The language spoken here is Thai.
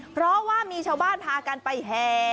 เพราะว่ามีชาวบ้านพากันไปแห่